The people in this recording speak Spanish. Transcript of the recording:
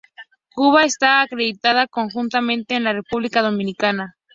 Cuba está acreditada conjuntamente en la República Dominicana.